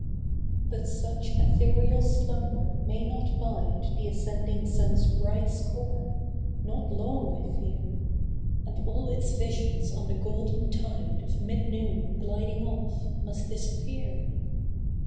But such ethereal slumber may not bide The ascending sun's bright scorn not long, I fear; And all its visions on the golden tide Of mid noon gliding off, must disappear.